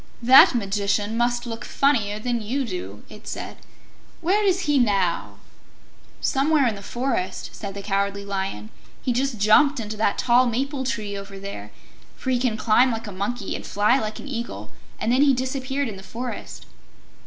"That Magician must look funnier than you do," it said. "Where is he now?" "Somewhere in the forest," said the Cowardly Lion. "He just jumped into that tall maple tree over there, for he can climb like a monkey and fly like an eagle, and then he disappeared in the forest."